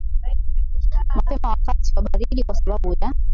mapema wakati wa baridi kwa sababu ya